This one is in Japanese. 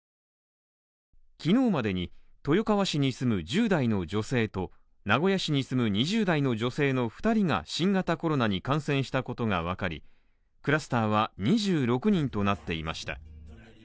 昨日までに豊川市に住む１０代の女性と名古屋市に住む２０代の女性の２人が新型コロナに感染したことが分かりクラスターは２６人となっていました。